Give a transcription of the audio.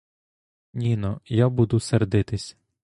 Ніно, я буду сердитись.